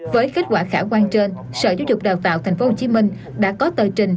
với kết quả khả quan trên sở giáo dục đào tạo tp hcm đã có tờ trình